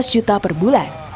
delapan belas juta per bulan